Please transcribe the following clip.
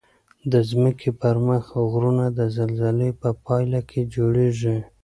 د ځمکې پر مخ غرونه د زلزلې په پایله کې جوړیږي.